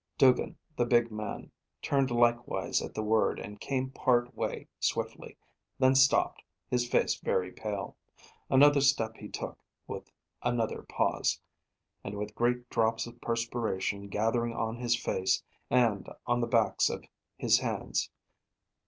Duggin, the big man, turned likewise at the word and came part way swiftly; then stopped, his face very pale. Another step he took, with another pause, and with great drops of perspiration gathering on his face, and on the backs of his hands.